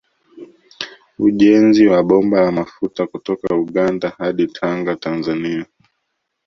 Ujenzi wa bomba la mafuta kutoka Uganda hadi Tanga Tanzania